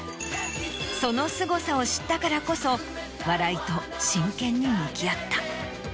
そのすごさを知ったからこそ笑いと真剣に向き合った。